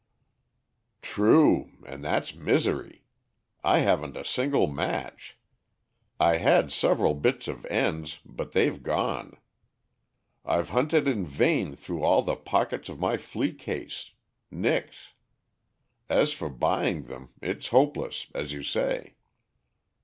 "True, and that's misery. I haven't a single match. I had several bits of ends, but they've gone. I've hunted in vain through all the pockets of my flea case nix. As for buying them it's hopeless, as you say."